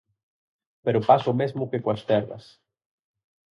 Pero pasa o mesmo que coas terras.